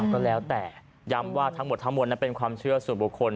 ก็แล้วแต่ย้ำว่าทั้งหมดทั้งมวลนั้นเป็นความเชื่อส่วนบุคคล